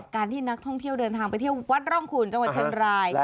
การที่นักท่องเที่ยวเดินทางไปเที่ยววัดร่องขุนจังหวัดเชียงราย